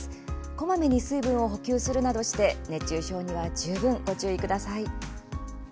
こまめに水分を補給するなどして熱中症には十分ご注意ください。